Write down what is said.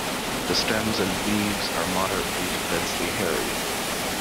The stems and leaves are moderately to densely hairy.